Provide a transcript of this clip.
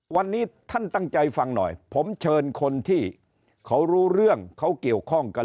วันนี้ท่านตั้งใจฟังหน่อยผมเชิญคนที่เขารู้เรื่องเขาเกี่ยวข้องกับ